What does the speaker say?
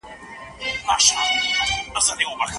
لارښود د شاګرد موضوع تایید کړه.